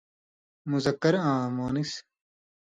مذکر آں مؤنث